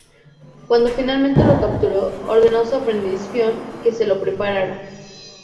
Cuando finalmente lo capturó ordenó a su aprendiz, Fionn, que se lo preparara.